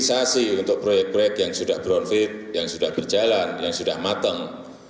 selain politisasi untuk proyek proyek yang sudah brownfield yang sudah berjalan yang sudah mateng